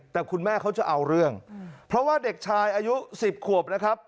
แต่คุณแม่เขาจะเอาเรื่องเพราะว่าเด็กชายอายุ๑๐ขวบนะครับ